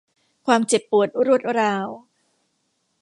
ความเจ็บปวดรวดร้าว